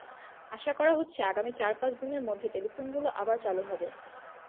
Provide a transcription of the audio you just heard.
আশা করা হচ্ছে, আগামী চার-পাঁচ দিনের মধ্যে টেলিফোনগুলো আবার চালু হবে।